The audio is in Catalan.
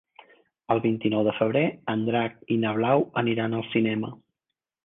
El vint-i-nou de febrer en Drac i na Blau aniran al cinema.